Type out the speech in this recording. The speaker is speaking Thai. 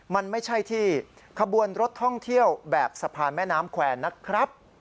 มันไม่ใช่ที่ขบวนรถท่องเที่ยวแบบสะพานแม่น้ำแควร์นะครับ